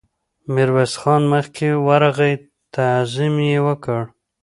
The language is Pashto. ميرويس خان مخکې ورغی، تعظيم يې وکړ.